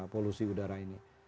polusi udara ini